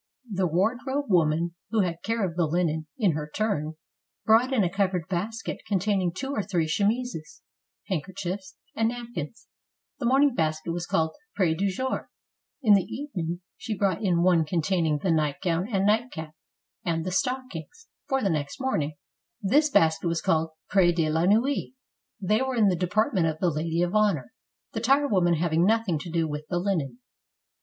The wardrobe woman who had care of the linen, in her turn, brought in a covered basket containing two or three chemises, handkerchiefs, and napkins; the morning basket was called prel dujour: in the evening she brought in one containing the nightgown and nightcap, and the stockings 284 THE WARDROBE OF MARIE ANTOINETTE for the next morning; this basket was called pret de la nuit: they were in the department of the lady of honor, the tire woman having nothing to do with the linen.